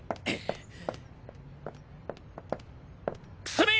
楠見！